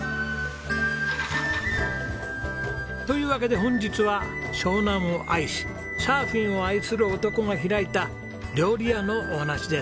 というわけで本日は湘南を愛しサーフィンを愛する男が開いた料理屋のお話です。